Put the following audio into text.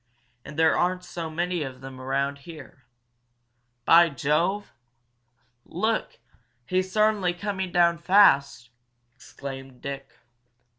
"And there aren't so many of them around here. By Jove!" "Look! He's certainly coming down fast!" exclaimed Dick.